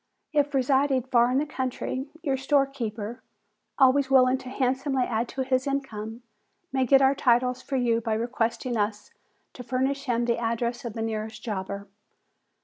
If residing far in the country, your store keeper, always willing to handsomely add to his income, may get our titles for you by requesting us to furnish him the address of the nearest jobber.